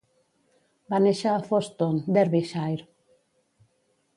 Va néixer a Foston, Derbyshire.